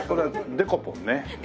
デコポン。